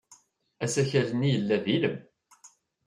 Asakal-nni yella d ilem.